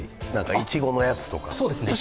いちごのやつとか。